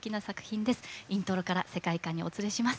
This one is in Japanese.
イントロから世界観にお連れします。